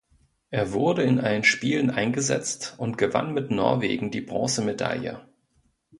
Er wurde in allen Spielen eingesetzt und gewann mit Norwegen die Bronzemedaille.